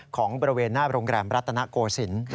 ของบริเวณหน้าโรงแรมรัตนโกศิลป์